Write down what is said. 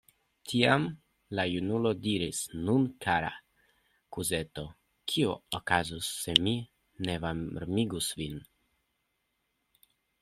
Tiam la junulo diris: Nun, kara kuzeto, kio okazus se mi ne varmigus vin?